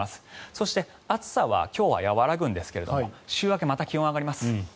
そして、暑さは今日は和らぐんですけれども週明け、また気温が上がります。